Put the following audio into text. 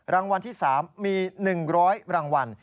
รางวัลที่๓มี๑๐๐รางวัล